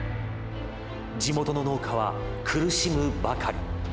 地元の農家は苦しむばかり。